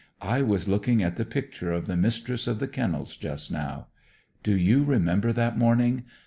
I was looking at the picture of the Mistress of the Kennels just now. Do you remember that morning?